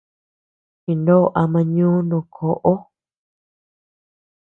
Chinó ama ñò no koʼo.